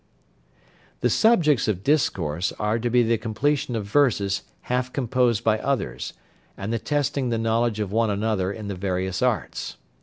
The subjects of discourse are to be the completion of verses half composed by others, and the testing the knowledge of one another in the various arts.